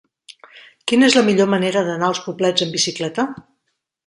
Quina és la millor manera d'anar als Poblets amb bicicleta?